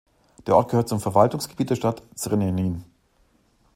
Der Ort gehört zum Verwaltungsgebiet der Stadt Zrenjanin.